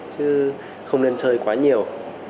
chứ không nên chơi quá nhiều